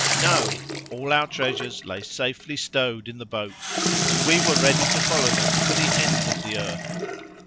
—No; all our treasures lay safely stowed in the boat, and we were ready to follow them to the ends of the earth.